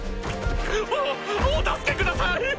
おお助けください！